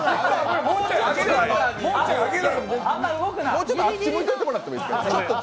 もうちょっと、あっち向いていてもらってもいいですか。